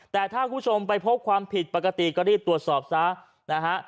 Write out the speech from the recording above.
แต่ถ้าคุณผู้ชมไปพบความผิดปกติก็รีบตรวจสอบซะนะฮะ